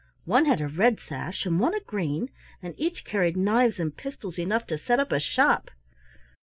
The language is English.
One had a red sash and one a green, and each carried knives and pistols enough to set up a shop.